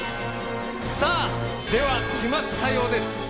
さあでは決まったようです。